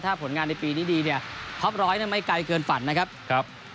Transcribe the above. ถ้าผลงานในปีนี้ดีท็อป๑๐๐ไม่ไกลเกินฝันนะครับ